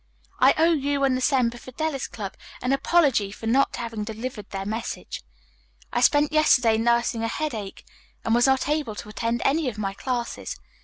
"I owe you and the Semper Fidelis Club an apology for not having delivered their message. I spent yesterday nursing a headache and was not able to attend any of my classes.